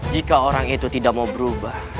jika orang itu tidak mau berubah